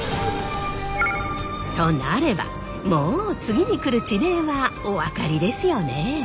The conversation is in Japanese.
となればもう次に来る地名はお分かりですよね？